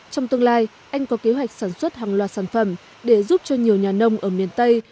trong tương lai anh có kế hoạch sản xuất hàng loạt sản phẩm để giúp cho nhiều nhà nông ở miền tây